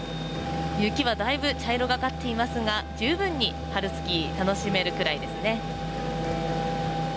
雪はだいぶ茶色がかっていますが十分に春スキー楽しめるくらいですね。